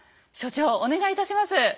所長お願いいたします。